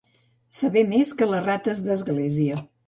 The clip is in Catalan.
Saber més que les rates d'església.